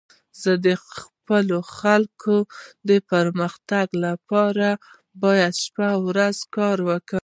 زه د خپلو خلکو د پرمختګ لپاره باید شپه او ورځ کار وکړم.